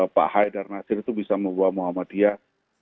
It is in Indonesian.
pak haidar nasir itu bisa membuat muhammadiyah